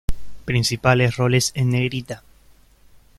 Principales Roles en negrita.